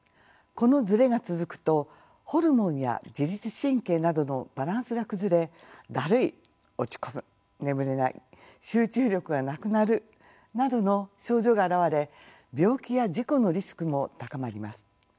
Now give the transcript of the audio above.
このズレが続くとホルモンや自律神経などのバランスが崩れだるい落ち込む眠れない集中力がなくなるなどの症状が現れ病気や事故のリスクも高まります。